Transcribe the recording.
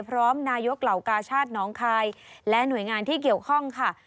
พร้อมนายกเหล่ากาชาติน้องคายและหน่วยงานที่เกี่ยวข้องค่ะ